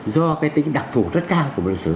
do cái tính đặc thủ rất cao của lịch sử